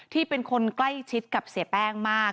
เป็นคนใกล้ชิดกับเสียแป้งมาก